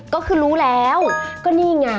ก็คือรู้แล้วก็นี่ไง